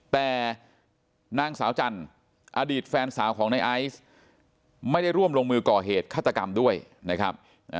แต่นางสาวจันทร์อดีตแฟนสาวของในไอซ์ไม่ได้ร่วมลงมือก่อเหตุฆาตกรรมด้วยนะครับ